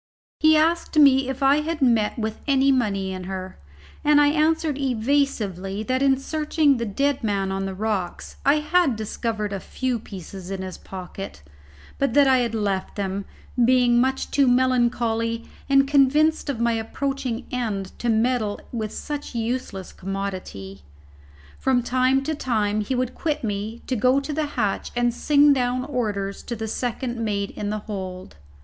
He asked me if I had met with any money in her: and I answered evasively that in searching the dead man on the rocks, I had discovered a few pieces in his pocket, but that I had left them, being much too melancholy and convinced of my approaching end to meddle with such a useless commodity. From time to time he would quit me to go to the hatch and sing down orders to the second mate in the hold.